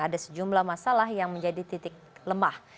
ada sejumlah masalah yang menjadi titik lemah